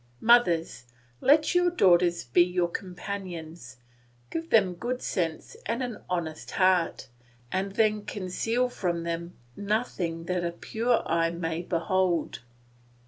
Mothers, let your daughters be your companions. Give them good sense and an honest heart, and then conceal from them nothing that a pure eye may behold.